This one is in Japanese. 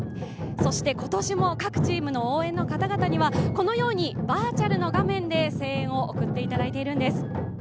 そして、今年も各チームの応援の方々にはこのようにバーチャルの画面で声援を送っていただいているんです。